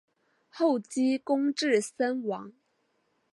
后积功至森王。